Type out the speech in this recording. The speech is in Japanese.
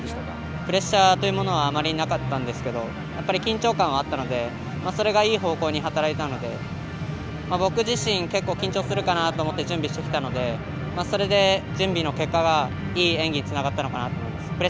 プレッシャーというものはあまりなかったんですけどやっぱり緊張感はあったのでそれがいい方向に働いたので、僕自身、結構緊張するかなと思って準備してきたのでそれで、準備の結果がいい演技につながったのかなと思います。